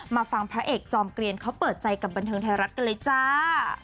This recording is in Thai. มาฟังพระเอกจอมเกลียนเขาเปิดใจกับบันเทิงไทยรัฐกันเลยจ้า